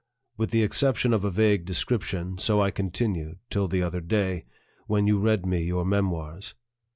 With the exception of a vague description, so I continued, till the other day, when you read me your memoirs.